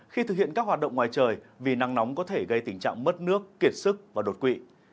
khi thực hiện các hoạt động ngoài trời vì nắng nóng có thể gây tình trạng mất nước kiệt sức và đột quỵ